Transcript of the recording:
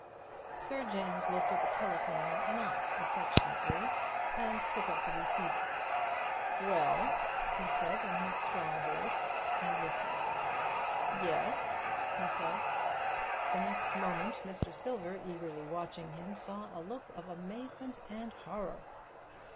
Sir James looked at the telephone, not affectionately, and took up the receiver. "Well?" he said in his strong voice; and listened. "Yes," he said. The next moment Mr. Silver, eagerly watching him, saw a look of amazement and horror.